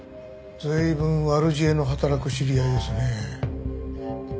随分悪知恵の働く知り合いですね。